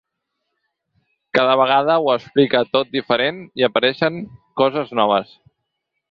Cada vegada ho explica tot diferent i apareixen coses noves.